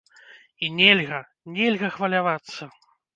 І нельга, нельга хвалявацца!